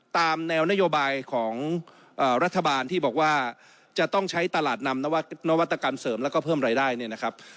ตามแนวนโยบายของรัฐบาลที่บอกว่าจะต้องใช้ตลาดนำนวัตกรรมเสริมแล้วก็เพิ่มรายได้เนี่ยนะครับ